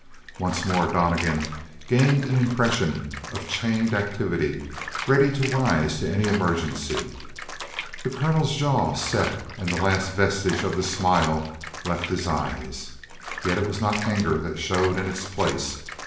Once more Donnegan gained an impression of chained activity ready to rise to any emergency. The colonel's jaw set and the last vestige of the smile left his eyes. Yet it was not anger that showed in its place.